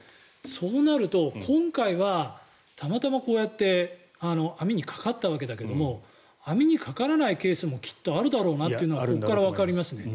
そうなると今回はたまたまこうやって網にかかったわけだけど網にかからないケースもきっとあるだろうなっていうのはここからわかりますね。